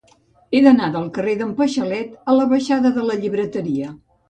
He d'anar del carrer d'en Paixalet a la baixada de la Llibreteria.